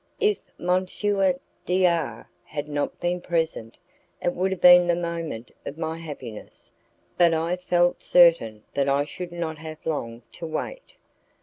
If M. D R had not been present, it would have been the moment of my happiness, but I felt certain that I should not have long to wait.